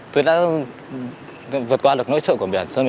tôi đã vượt qua được nỗi sợ của biển cho mình để vào đàm cháy